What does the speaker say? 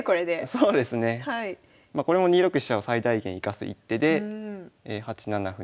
まこれも２六飛車を最大限生かす一手で８七歩成。